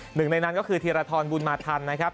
หนึ่งในนั้นก็คือธีรทรบุญมาทันนะครับ